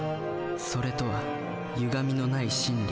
「それ」とはゆがみのない真理。